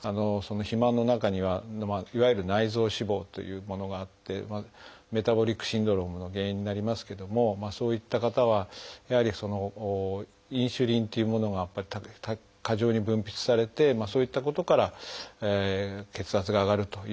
肥満の中にはいわゆる内臓脂肪というものがあってメタボリックシンドロームの原因になりますけどもそういった方はやはりインスリンというものが過剰に分泌されてそういったことから血圧が上がるというようなこともいわれています。